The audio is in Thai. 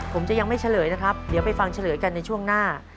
ผมจะยังไม่เฉลยนะครับเดี๋ยวไปฟังเฉลยกันในช่วงหน้า